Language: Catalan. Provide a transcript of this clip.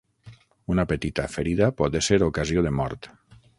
Una petita ferida pot ésser ocasió de mort.